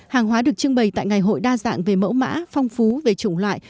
hàng hóa được trưng bày tại ngày hội đa dạng về mẫu mã phong phú về chủng loại